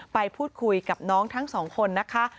ไปพูดคุยกับน้องทั้งสองคนนะคะ